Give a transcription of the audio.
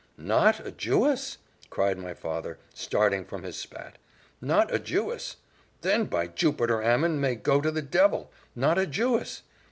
"Not a Jewess!" cried my father, starting from his seat: "Not a Jewess! Then my Jupiter Ammon may go to the devil! Not a Jewess!